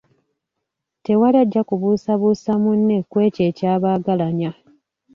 Tewali ajja kubuusabuusa munne ku ekyo ekyabagalanya.